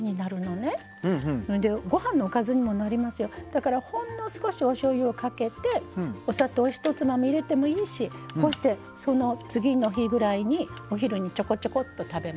だからほんの少しおしょうゆをかけてお砂糖ひとつまみ入れてもいいしこうしてその次の日ぐらいにお昼にちょこちょこっと食べます。